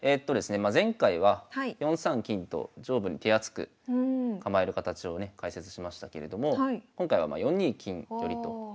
前回は４三金と上部に手厚く構える形をね解説しましたけれども今回は４二金寄と。